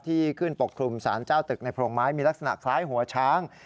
ที่ขึ้นปกคลุมสารเจ้าตึกในโพรงไม้มีลักษณะคล้ายหัวช้าง